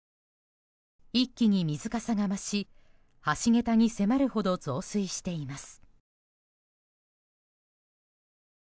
一気に水かさが増し橋げたに迫るほど増水しています。